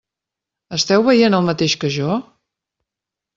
Esteu veient el mateix que jo?